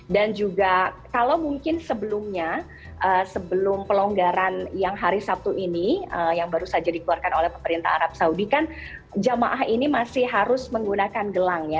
dan juga kalau mungkin sebelumnya sebelum pelonggaran yang hari sabtu ini yang baru saja dikeluarkan oleh pemerintah arab saudi kan jemaah ini masih harus menggunakan gelang ya